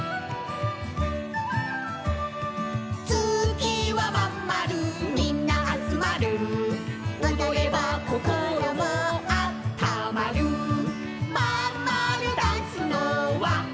「月はまんまるみんなあつまる」「おどれば心もあったまる」「まんまるダンスのわわわ」